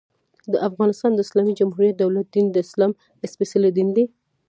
د افغانستان د اسلامي جمهوري دولت دين، د اسلام سپيڅلی دين دى.